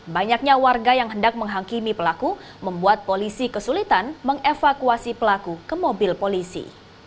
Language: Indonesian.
banyaknya warga yang hendak menghakimi pelaku membuat polisi kesulitan mengevakuasi pelaku ke mobil polisi